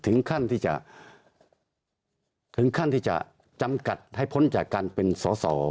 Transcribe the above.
ถึงขั้นที่จะจำกัดให้พ้นจากการเป็นส่อ